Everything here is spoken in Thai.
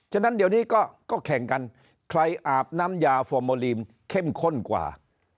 ฉะนั้นเดี๋ยวนี้ก็แข่งกันใครอาบน้ำยาฟอร์โมลีมเข้มข้นกว่า